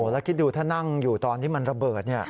แล้วคิดดูถ้านั่งอยู่ตอนที่มันระเบิด